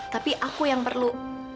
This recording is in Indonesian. tapi aku yang perlu